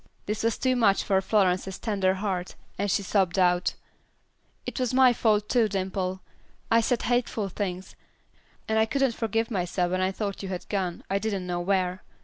This was too much for Florence's tender heart, and she sobbed out, "It was my fault too, Dimple. I said hateful things, and I couldn't forgive myself when I thought you had gone, I didn't know where.